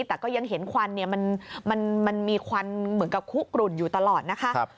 แต่ก็ยังเห็นควันมันมีควันเหมือนกับคุกกลุ่นอยู่ตลอดนะคะ